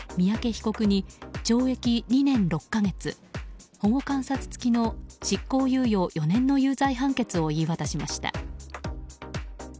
被告に懲役２年６か月保護観察付の執行猶予４年の有罪判決を言い渡しました。